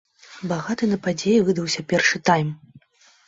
Багаты на падзеі выдаўся першы тайм.